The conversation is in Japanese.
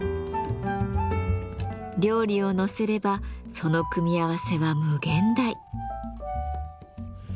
料理をのせればその組み合わせは無限大。